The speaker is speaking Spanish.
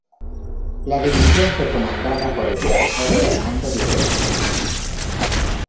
La división fue comandada por el profesor Fernando Videla.